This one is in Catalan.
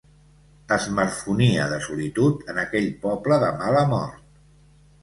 Es marfonia de solitud en aquell poble de mala mort.